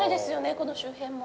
この周辺も。